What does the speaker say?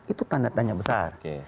itu tanda tanya besar